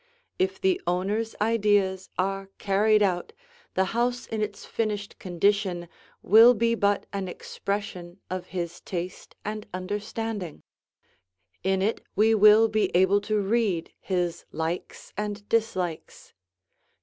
If the owner's ideas are carried out, the house in its finished condition will be but an expression of his taste and understanding. In it we will be able to read his likes and dislikes.